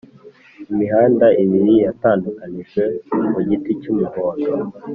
imihanda ibiri yatandukanijwe mu giti cy'umuhondo,